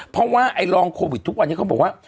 เพราะว่าไอ้รองโควิดทุกวันนี้เขาบอกว่า